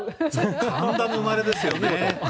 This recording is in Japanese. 神田の生まれですね。